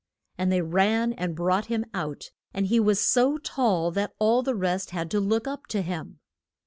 And they ran and brought him out, and he was so tall that all the rest had to look up to him.